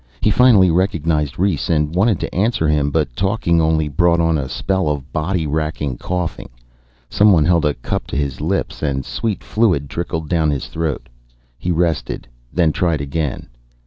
He finally recognized Rhes, and wanted to answer him. But talking only brought on a spell of body wracking coughing. Someone held a cup to his lips and sweet fluid trickled down his throat. He rested, then tried again.